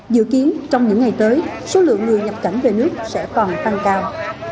dự kiến trong những ngày tới số lượng người nhập cảnh về nước sẽ còn tăng cao